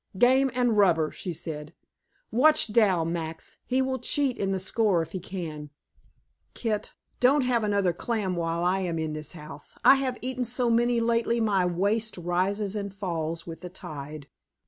"Game and rubber," she said. "Watch Dal, Max; he will cheat in the score if he can. Kit, don't have another clam while I am in this house. I have eaten so many lately my waist rises and falls with the tide."